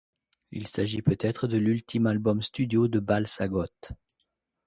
Il s'agit peut être de l'ultime album studio de Bal-Sagoth.